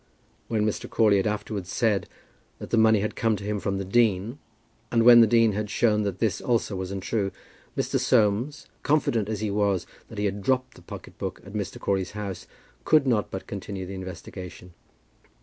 When Mr. Crawley had afterwards said that the money had come to him from the dean, and when the dean had shown that this also was untrue, Mr. Soames, confident as he was that he had dropped the pocket book at Mr. Crawley's house, could not but continue the investigation.